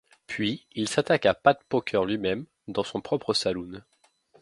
Puis il s'attaque à Pat Poker lui-même dans son propre saloon.